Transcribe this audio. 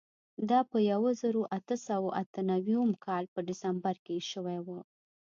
دا په یوه زرو اتو سوو اته نوېم کال په ډسمبر کې شوې وه.